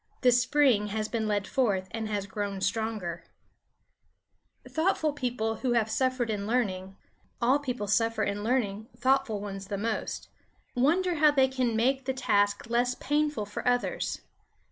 The spring has been led forth and has grown stronger. Thoughtful people who have suffered in learning all people suffer in learning, thoughtful ones the most wonder how they can make the task less painful for others.